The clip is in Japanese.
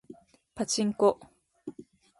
パチンコ